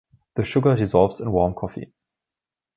The sugar dissolves in warm coffee.